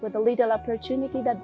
dengan kemampuan yang mereka dapatkan